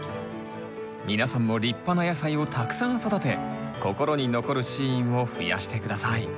皆さんも立派な野菜をたくさん育て心に残るシーンを増やして下さい。